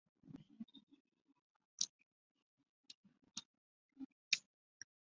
这是法国大革命的年表